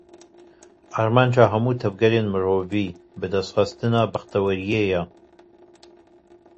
Armanca hemû tevgerên mirovî, bidestxistina bextewariyê ye.